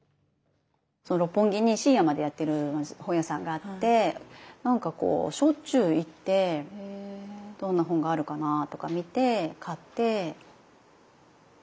六本木に深夜までやってる本屋さんがあってなんかしょっちゅう行ってどんな本があるかなぁとか見て買って。